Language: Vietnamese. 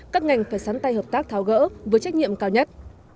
các ngành phải sán tay hợp tác tháo gỡ với trách nhiệm cao nhất